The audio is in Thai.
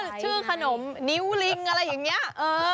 นึกว่าชื่อขนมนิ้วลิงอะไรอย่างเนี๊ยะ